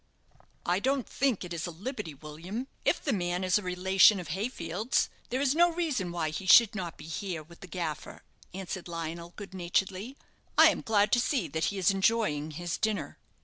"I don't think it a liberty, William. If the man is a relation of Hayfield's, there is no reason why he should not be here with the Gaffer," answered Lionel, good naturedly, "I am glad to Bee that he is enjoying his dinner."